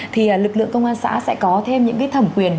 thì lực lượng công an xã sẽ có thêm những cái thẩm quyền